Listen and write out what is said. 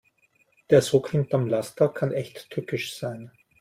Der Sog hinterm Laster kann echt tückisch sein.